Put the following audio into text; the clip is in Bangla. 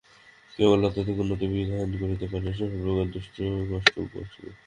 কেবল আধ্যাত্মিক উন্নতিবিধান করিতে পারিলেই সর্বপ্রকার দুঃখকষ্ট ঘুচিবে।